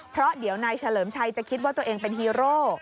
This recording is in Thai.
เพราะเดี๋ยวนายเฉลิมชัยจะคิดว่าตัวเองเป็นฮีโร่